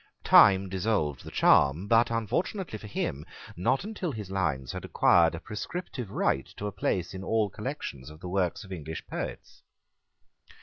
Time dissolved the charm, but, unfortunately for him, not until his lines had acquired a prescriptive right to a place in all collections of the works of English poets.